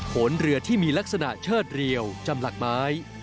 ขนเรือที่มีลักษณะเชิดเรียวจำหลักไม้